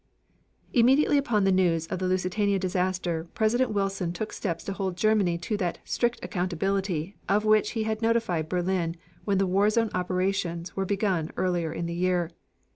Immediately upon the news of the Lusitania disaster, President Wilson took steps to hold Germany to that "strict accountability" of which he had notified Berlin when the war zone operations were begun earlier in the year.